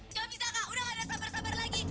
gak bisa kak udah gak ada sabar sabar lagi